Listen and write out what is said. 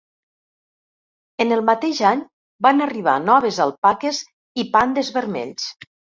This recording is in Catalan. En el mateix any van arribar noves alpaques i pandes vermells.